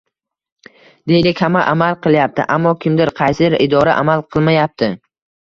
Deylik hamma amal qilyapti, ammo kimdir, qaysidir idora amal qilmayapti.